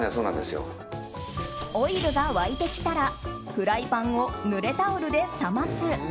オイルが沸いてきたらフライパンを濡れタオルで冷ます。